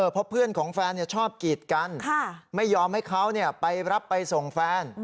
เพราะเพื่อนของแฟนชอบกีดกันไม่ยอมให้เขาไปรับไปส่งแฟน